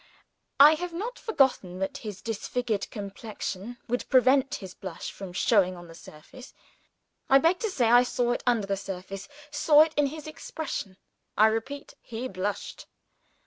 I have not forgotten that his disfigured complexion would prevent his blush from showing on the surface. I beg to say I saw it under the surface saw it in his expression: I repeat he blushed.